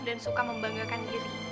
dan suka membanggakan diri